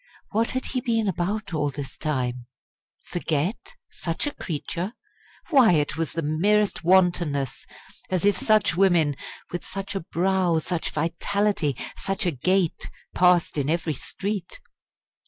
What had he been about all this time? Forget? such a creature? Why, it was the merest wantonness! As if such women with such a brow, such vitality, such a gait passed in every street!